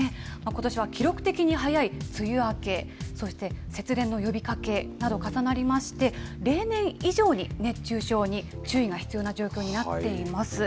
ことしは記録的に早い梅雨明け、そして節電の呼びかけなど、重なりまして、例年以上に熱中症に注意が必要な状況になっています。